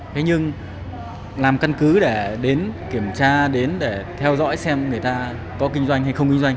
thế nhưng làm căn cứ để đến kiểm tra đến để theo dõi xem người ta có kinh doanh hay không kinh doanh